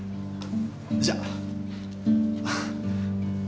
じゃあ。